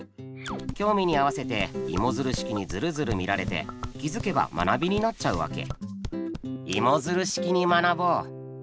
興味に合わせてイモヅル式にヅルヅル見られて気づけば学びになっちゃうわけ。